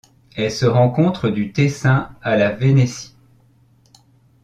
Elle se rencontre du Tessin à la Vénétie.